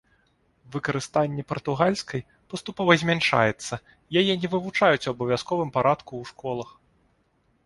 Выкарыстанне партугальскай паступова змяншаецца, яе не вывучаюць у абавязковым парадку ў школах.